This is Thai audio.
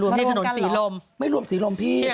รวมให้ถนนสีลมเหรอไม่รวมสีลมพี่รวมกันเหรอ